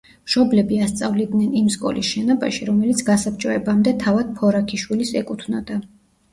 მშობლები ასწავლიდნენ იმ სკოლის შენობაში, რომელიც გასაბჭოებამდე თავად ფორაქიშვილის ეკუთვნოდა.